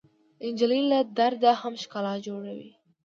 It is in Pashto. نجلۍ له درده هم ښکلا جوړوي.